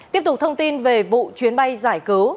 tiếp tục thông tin về vụ chuyến bay giải cứu